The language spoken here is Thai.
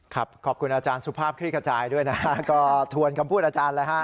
ขอบคุณอาจารย์สุภาพคลี่ขจายด้วยนะฮะก็ทวนคำพูดอาจารย์เลยฮะ